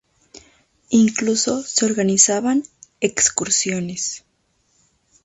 Incluso se organizaban excursiones.